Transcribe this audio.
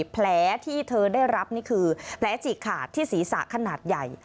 แผลที่เธอได้รับนี่คือแผลฉีกขาดที่ศีรษะขนาดใหญ่